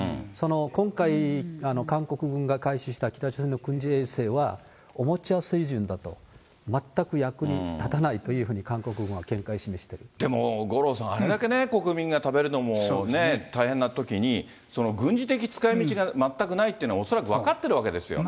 今回、韓国軍が監視した北朝鮮の軍事衛星はおもちゃ水準だと、全く役に立たないというふうに見解でも五郎さん、あれだけ国民が食べるもの大変なときに、軍事的使いみちが全くないっていうの、恐らく分かっているわけですよ。